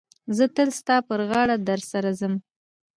زه تل ستا پر غاړه در سره ځم.